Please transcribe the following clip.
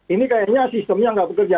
ini kayaknya sistemnya nggak bekerja